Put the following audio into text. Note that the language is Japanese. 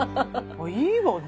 あいいわね。